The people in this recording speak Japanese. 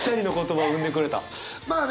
まあね